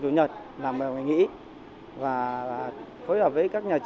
tự nhiên là bình sơn thọ sơn đồng thắng